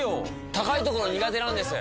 高いところ苦手なんです。